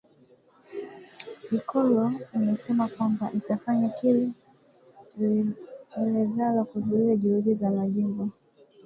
ikulu imesema kwamba itafanya kila iwezalo kuzuia juhudi za majimbo